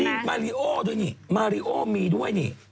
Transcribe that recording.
มีมาริโอด้วยนี่มาริโอมีด้วยนี่